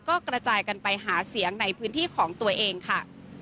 ก็กระจายกันไปหาเสียงในพื้นที่ของตัวเองค่ะ